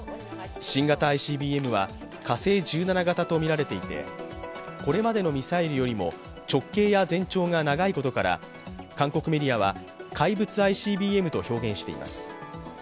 新型ＩＣＢＭは火星１７型とみられていてこれまでのミサイルよりも直径や全長が長いことから韓国メディアは怪物ＩＣＢＭと表現しています。